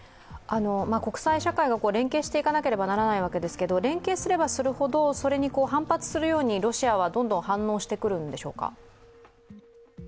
国際社会が連携していかなければならないわけですけれども、連携すればするほど、それに反発するようにロシアはどんどん反応してくるんでしょうか？